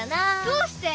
どうして？